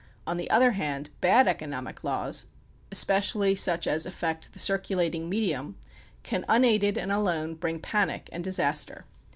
On the other hand, bad economic laws, especially such as affect the circulating mediimi, can unaided and alone bring panic and disaster.